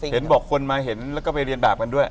เห็นบอกคนมาเห็นแล้วก็ไปเรียนแบบกันด้วย